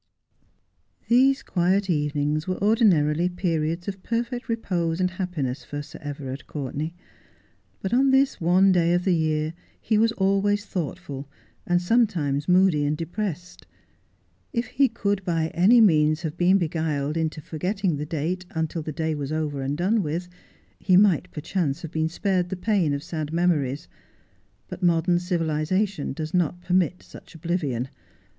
'these quiet evenings were ordinarily periods of perfect repose and happiness for Sir Everard Coui tenay, but on this one day of the year he was always thoughtful, and sometimes moody and depressed. If he could by any means have been beguiled into forgetting the date until the day was over and done with, he might perchance have been spared the pain of sad memories : but modern civilization does not permit such oblivion.